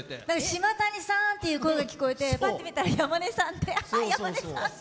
「島谷さん」っていう声が聞こえてパッて見たら山根さんで「あ山根さん」って。